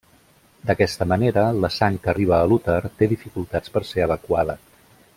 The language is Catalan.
D'aquesta manera, la sang que arriba a l'úter, té dificultats per ser evacuada.